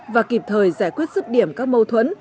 và kịp thời giải quyết rứt điểm các mâu thuẫn